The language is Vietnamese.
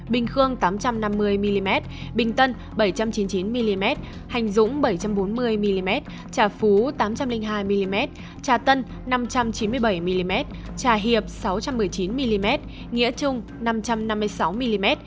bình khương tám trăm năm mươi mm bình tân bảy trăm chín mươi chín mm hành dũng bảy trăm bốn mươi mm trà phú tám trăm linh hai mm trà tân năm trăm chín mươi bảy mm trà hiệp sáu trăm một mươi chín mm nghĩa trung năm trăm năm mươi sáu mm